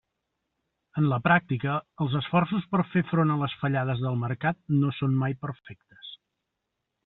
En la pràctica, els esforços per fer front a les fallades del mercat no són mai perfectes.